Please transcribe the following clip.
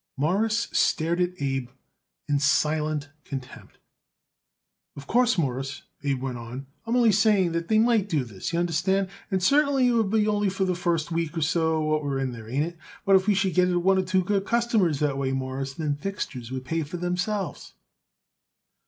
Morris stared at Abe in silent contempt. "Of course, Mawruss," Abe went on, "I'm only saying they might do this, y'understand, and certainly it would only be for the first week or so what we are there, ain't it? But if we should only get it one or two customers that way, Mawruss, them fixtures would pay for themselves."